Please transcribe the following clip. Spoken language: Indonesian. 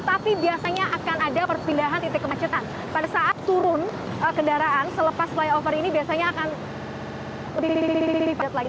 tapi biasanya akan ada perpindahan titik kemacetan pada saat turun kendaraan selepas flyover ini biasanya akan lebih padat lagi